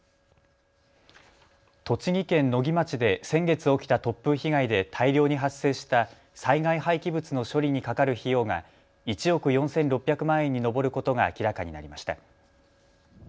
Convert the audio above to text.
栃木県野木町で先月起きた突風被害で大量に発生した災害廃棄物の処理にかかる費用が１億４６００万円に上ることが明らかになりました。